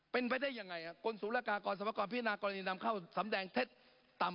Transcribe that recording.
เป็นประเทศยังไงอ่ะศุลกากรสำหรับกรณีนำเข้าสำแดงเทศต่ำ